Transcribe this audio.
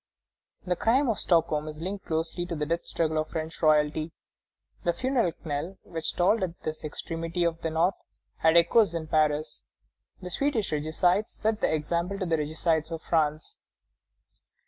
The crime of Stockholm is linked closely to the death struggle of French royalty. The funeral knell which tolled at this extremity of the North had echoes in Paris. The Swedish regicides set the example to the regicides of France.